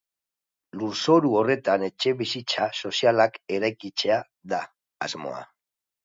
Lurzoru horretan etxebizitza sozialak eraikitzea da asmoa.